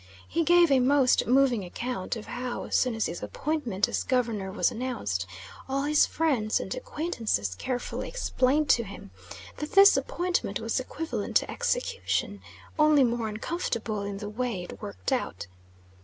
He gave a most moving account of how, as soon as his appointment as Governor was announced, all his friends and acquaintances carefully explained to him that this appointment was equivalent to execution, only more uncomfortable in the way it worked out.